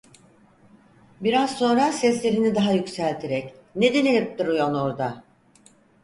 Biraz sonra seslerini daha yükselterek: "Ne dinelip duruyon orda?"